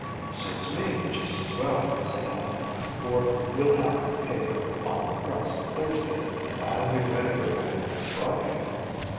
"Suits me just as well," said Helen, "for we'll have the paper off the press Thursday and I'll be ready for a picnic Friday."